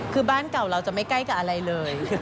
คือบ้านเก่าเราจะไม่ใกล้กับอะไรเลย